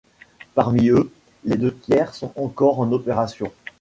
Parmi eux, les deux tiers sont encore en opération.